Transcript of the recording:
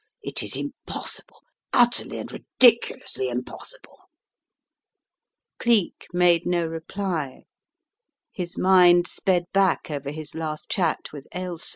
It is impossible — utterly and ridiculously impossible !" Cleek made no reply. His mind sped back over his last chat with Ailsa.